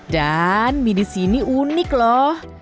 dan mie di sini unik lho